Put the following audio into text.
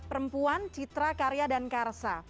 perempuan citra karya dan karsa